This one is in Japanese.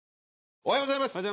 おはようございます。